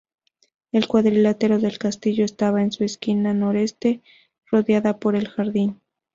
El cuadrilátero del castillo estaba, en su esquina noreste, rodeada por un jardín.